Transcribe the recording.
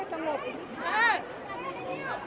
ต้องใจร่วม